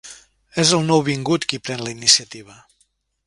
És el nouvingut qui pren la iniciativa.